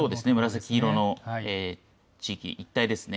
紫色の地域一帯ですね。